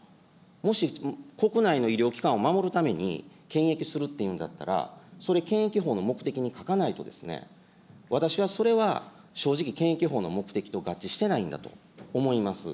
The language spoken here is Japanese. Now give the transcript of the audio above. もし、国内の医療機関を守るために検疫するっていうんだったら、それ、検疫法の目的に書かないと、私はそれは正直、検疫法の目的と合致してないんだと思います。